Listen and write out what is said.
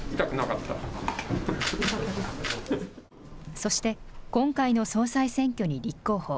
そして、今回の総裁選挙に立候補。